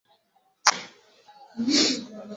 n’impande zayo hagahuha umuyaga w’inkubi